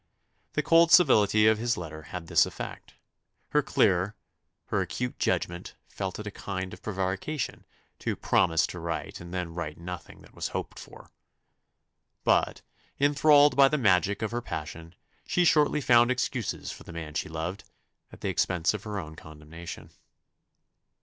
The cold civility of his letter had this effect her clear, her acute judgment felt it a kind of prevarication to promise to write and then write nothing that was hoped for. But, enthralled by the magic of her passion, she shortly found excuses for the man she loved, at the expense of her own condemnation.